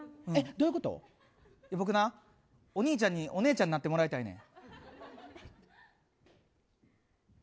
僕な、お兄ちゃんにお姉ちゃんになってもらいたいねん。